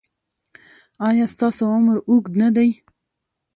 ایا ستاسو عمر اوږد نه دی؟